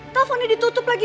teleponnya ditutup lagi